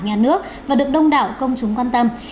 nhà nước và được đông đảo công chúng quan tâm